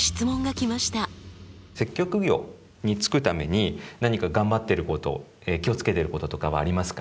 接客業に就くために何か頑張ってること気を付けてることとかはありますか？